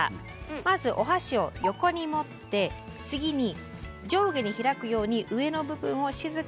まずお箸を横に持って次に上下に開くように上の部分を静かに引っ張って割ります。